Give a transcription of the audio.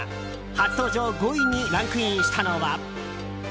初登場５位にランクインしたのは。